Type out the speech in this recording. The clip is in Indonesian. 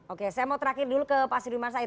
oke saya mau terakhir dulu ke pak sudirman said